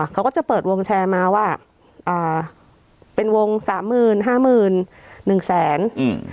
เขาก็จะเปิดวงแชร์มาว่าอ่าเป็นวงสามหมื่นห้าหมื่นหนึ่งแสนอืม